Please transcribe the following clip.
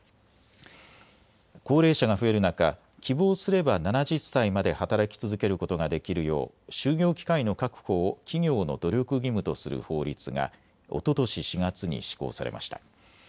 高齢者が増える中、希望すれば７０歳まで働き続けることができるよう就業機会の確保を企業の努力義務とする法律がおととし４月に施行されました。